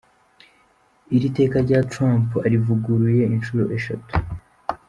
Iri teka rya Trump arivuguruye inshuro eshatu.